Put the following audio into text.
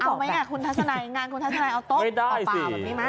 เอาไหมคุณทัศนัยงานคุณทัศนัยเอาโต๊ะเปล่าแบบนี้ไหม